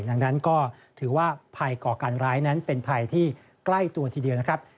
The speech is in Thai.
ดังนั้นก็ถือว่าภัยก่อการร้ายนั้นเป็นภัยที่ใกล้ตัวทีเดียวนะครับ